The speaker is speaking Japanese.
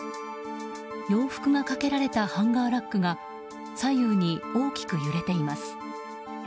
洋服がかけられたハンガーラックが左右に大きく揺れています。